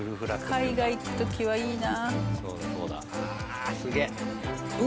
海外行くのはいいよな。